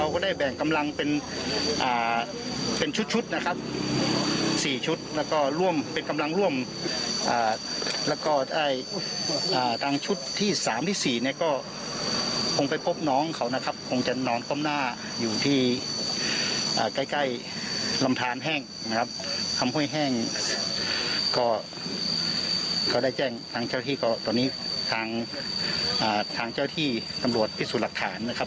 ก็ได้แจ้งทางเจ้าที่ก็ตอนนี้ทางเจ้าที่ตำรวจพิสูจน์หลักฐานนะครับ